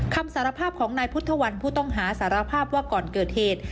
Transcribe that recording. คำสารภาพของนายพุทธวันผู้ต้องหาสารภาพว่าก่อนเกิดเหตุ